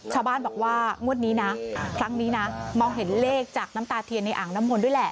ชาวบ้านบอกว่างวดนี้นะครั้งนี้นะมองเห็นเลขจากน้ำตาเทียนในอ่างน้ำมนต์ด้วยแหละ